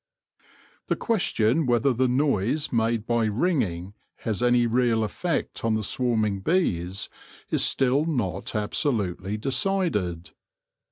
The question whether the noise made by ringing has any real effect on the swarming bees is still not absolutely decided.